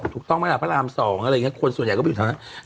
ถูกต้องมาถ้าราม๒อะไรอย่างนี้คนส่วนใหญ่ก็ไปอยู่ทางนั้น